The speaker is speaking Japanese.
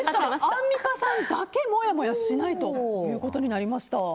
アンミカさんだけもやもやしないということになりました。